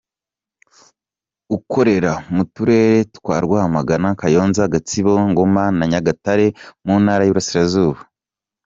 Ukorera mu turere twa Rwamagana, Kayonza, Gatsibo, Ngoma na Nyagatare mu ntara y’Iburasirazuba.